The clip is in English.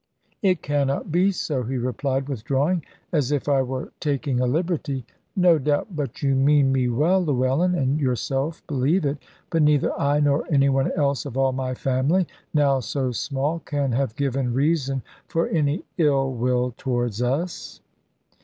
"It cannot be so," he replied, withdrawing, as if I were taking a liberty; "no doubt but you mean me well, Llewellyn, and yourself believe it. But neither I, nor any one else of all my family, now so small, can have given reason for any ill will towards us."